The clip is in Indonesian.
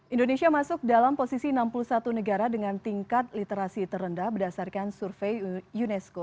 indonesia masuk dalam posisi enam puluh satu negara dengan tingkat literasi terendah berdasarkan survei unesco